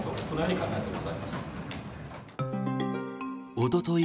おととい